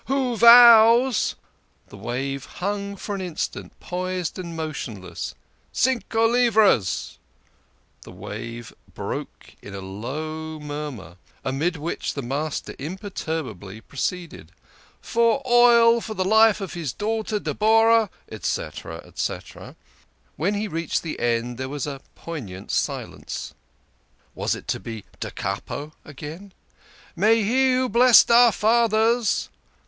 " Who vows " The wave hung an instant, poised and motionless. " Cincv livras /" The wave broke in a low murmur, amid which the Master "'i DIDN'T CATCH.' " imperturbably proceeded, " For oil for the life of his daughter Deborah, &c." When he reached the end there was a poignant silence. Was it to be da capo again ?" May He who blessed our fathers